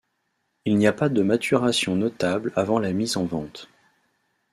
Il n'y a pas de maturation notable avant la mise en vente.